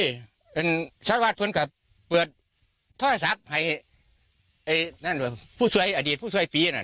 เป็นชาติวัฒน์ทุนก็เปิดทราบให้ผู้สวยอดีตผู้สวยปีน่ะ